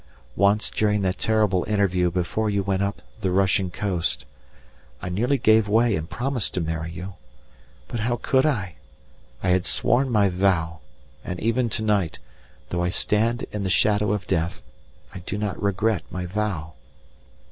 Once during that terrible interview before you went up the Russian coast, I nearly gave way and promised to marry you. But how could I? I had sworn my vow, and even to night, though I stand in the shadow of death, I do not regret my vow.